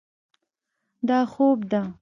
دا خوب ده.